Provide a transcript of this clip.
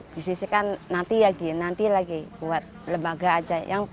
disisikan nanti lagi buat lembaga aja